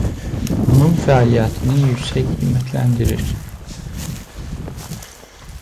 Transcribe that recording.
Onun fəaliyyətinin yüksək qiymətləndirir.